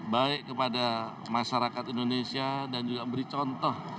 baik kepada masyarakat indonesia dan juga memberi contoh